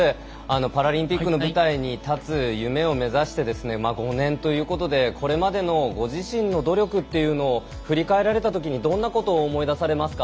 パラリンピックの舞台に立つ夢を目指してですね５年ということで、これまでのご自身の努力というのを振り返られたときにどんなことを思い出されますか？